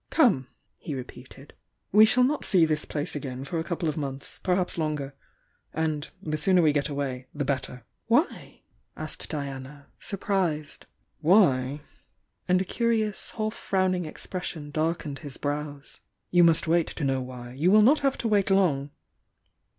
"Come!" he repeated. "We shall not see this place again for a couple of months — perhaps longer. And — the sooner we get away the better!" "Why?" aaked Diana, surprised. "Why?" and a curious half frowning expression darkened his brows. "You must wait to know why! You will not have to wait long!"